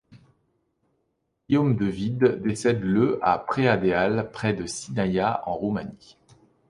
Guillaume de Wied décède le à Preadeal, près de Sinaia, en Roumanie.